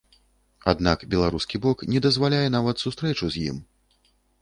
Аднак беларускі бок не дазваляе нават сустрэчу з ім.